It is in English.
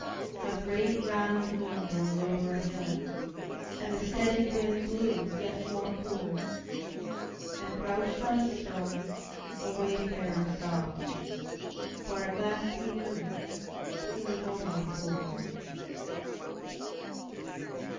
A great, round moon rose over a hill And the steady wind blew yet more cool; And crouched on a stone a wayfarer sobbed, For at last he knew he was only a fool.